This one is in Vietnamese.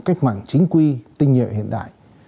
cách mạnh chính quy tinh nhiệm hiện đại